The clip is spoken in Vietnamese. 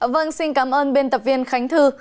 vâng xin cảm ơn biên tập viên khánh thư